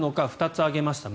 ２つ挙げました。